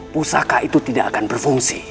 pusaka itu tidak akan berfungsi